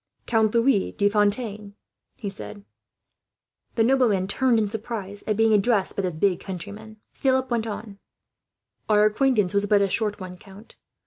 "Count Louis de Fontaine," he said. The nobleman turned, in surprise, at being addressed by this big countryman. Philip went on: "Our acquaintance was a short one, count.